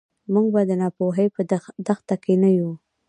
موږ به د ناپوهۍ په دښته کې نه یو.